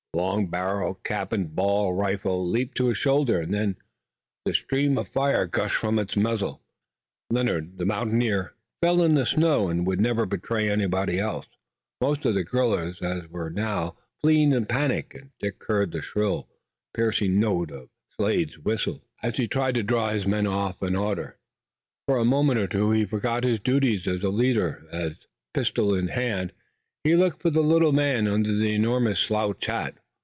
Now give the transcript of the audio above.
The long barreled cap and ball rifle leaped to his shoulder, and when the stream of fire gushed from the muzzle, Leonard, the mountaineer, fell in the snow and would never betray anybody else. Most of the guerrillas were now fleeing in panic, and Dick heard the shrill, piercing notes of Slade's whistle as he tried to draw his men off in order. For a moment or two he forgot his duties as a leader as, pistol in hand, he looked for the little man under the enormous slouch hat.